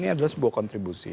ini adalah sebuah kontribusi